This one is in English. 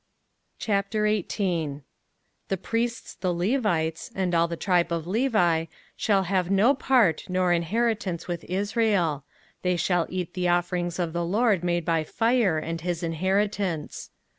05:018:001 The priests the Levites, and all the tribe of Levi, shall have no part nor inheritance with Israel: they shall eat the offerings of the LORD made by fire, and his inheritance.